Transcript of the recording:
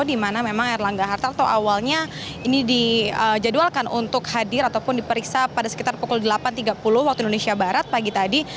di mana memang erlangga hartarto awalnya ini dijadwalkan untuk hadir ataupun diperiksa pada sekitar pukul delapan tiga puluh waktu indonesia barat pagi tadi